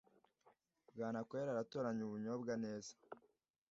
bwanakweri aratoranya ubunyobwa neza